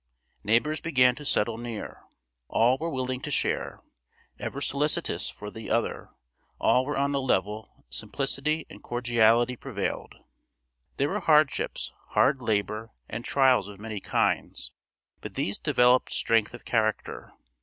Neighbors began to settle near. All were willing to share, ever solicitous for the other, all were on a level, simplicity and cordiality prevailed. There were hardships, hard labor and trials of many kinds, but these developed strength of character.